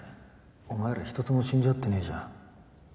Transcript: お前らひとつも信じ合ってねぇじゃん。